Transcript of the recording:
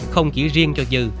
không chỉ riêng cho dư